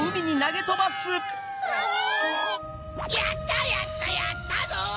やったやったやったぞ！